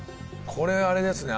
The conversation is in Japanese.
これあれですね。